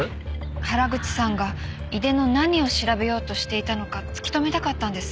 原口さんが井出の何を調べようとしていたのか突き止めたかったんです。